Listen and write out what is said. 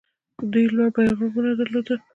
دوی لوړ بیرغونه درلودل